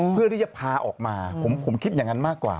เพื่อที่จะพาออกมาผมคิดอย่างนั้นมากกว่า